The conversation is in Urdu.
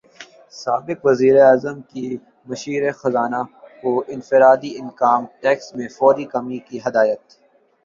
سابق وزیراعظم کی مشیر خزانہ کو انفرادی انکم ٹیکس میں فوری کمی کی ہدایت